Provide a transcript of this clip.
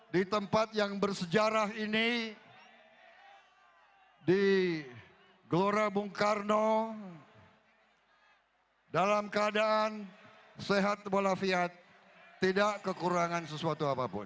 di tempat yang bersejarah ini di gelora bung karno dalam keadaan sehat walafiat tidak kekurangan sesuatu apapun